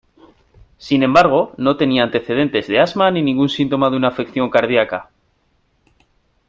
Sin embargo, no tenía antecedentes de asma ni ningún síntoma de una afección cardíaca.